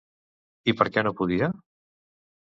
I per què no podia?